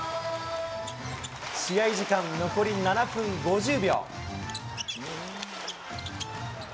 試合時間残り７分５０秒。